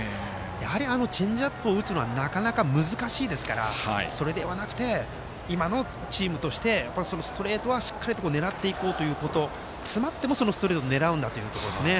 あのチェンジアップを打つのはなかなか難しいですからそれではなくて今のチームとしてストレートを狙っていこうということ詰まってもストレートを狙うんだというところですね。